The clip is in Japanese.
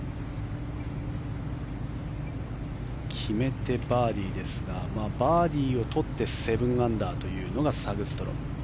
決めてバーディーですがバーディーを取って７アンダーというのがサグストロム。